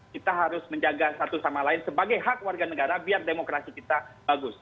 kita harus menjaga satu sama lain sebagai hak warga negara biar demokrasi kita bagus